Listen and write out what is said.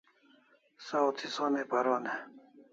Saw thi sonai paron e?